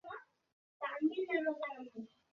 তিনি সিলেট মহানগর বিএনপির ক্ষমতাসীন সভাপতি।